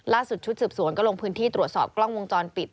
ชุดสืบสวนก็ลงพื้นที่ตรวจสอบกล้องวงจรปิด